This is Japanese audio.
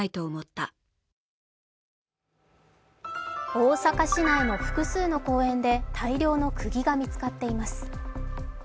大阪市内の複数の公園で大量の釘が見つかっています。